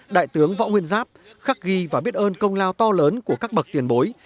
đại tướng võ nguyên giáp khắc ghi và biết ơn công lao to lớn của các bậc tiền bối